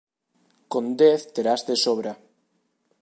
Con dez terás de sobra...